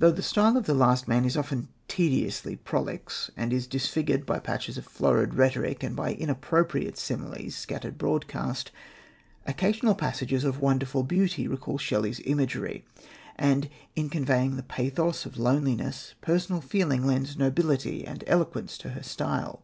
Though the style of The Last Man is often tediously prolix and is disfigured by patches of florid rhetoric and by inappropriate similes scattered broadcast, occasional passages of wonderful beauty recall Shelley's imagery; and, in conveying the pathos of loneliness, personal feeling lends nobility and eloquence to her style.